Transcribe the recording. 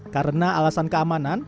karena alasan keamanan